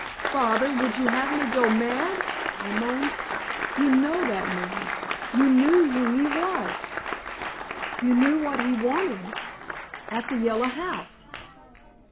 "Father, would you have me go mad?" I moaned. "You know that man. You knew who he was! You knew what he wanted at the Yellow House."